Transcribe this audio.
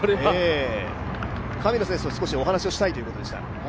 神野選手と少しお話をしたいということでした。